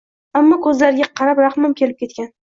Ammo ko’zlariga qarab rahmim kelib ketgan